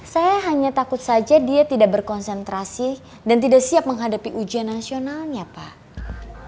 saya hanya takut saja dia tidak berkonsentrasi dan tidak siap menghadapi ujian nasionalnya pak